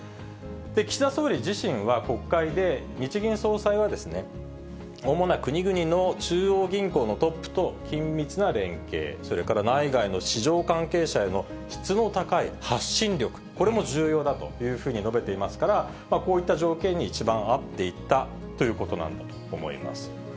岸田総理自身は、国会で日銀総裁は、主な国々の中央銀行のトップと緊密な連携、それから内外の市場関係者への質の高い発信力、これも重要だというふうに述べていますから、こういった条件に一番合っていたということなんだと思います。